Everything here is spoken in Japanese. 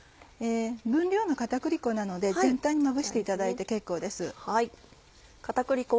分量の片栗粉なので全体にまぶしていただいて結構です。